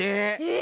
え！